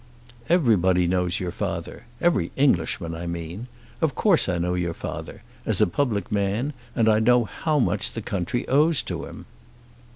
"Everybody knows your father; every Englishman I mean. Of course I know your father, as a public man, and I know how much the country owes to him."